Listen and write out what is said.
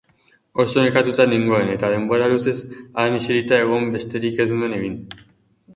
Oso nekatuta nengoen eta denbora luzez han eserita egon besterik ez nuen egin.